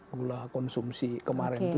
gula konsumsi kemarin itu